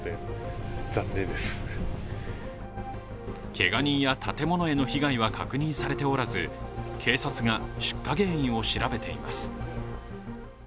けが人や建物への被害は確認されておらず警察が出火原因を調べています。